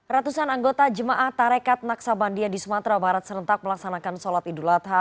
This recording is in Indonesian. ratusan anggota jemaah tarekat naksabandia di sumatera barat serentak melaksanakan sholat idul adha